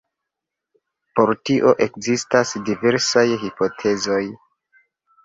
Por tio ekzistas diversaj hipotezoj.